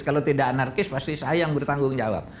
kalau tidak anarkis pasti saya yang bertanggung jawab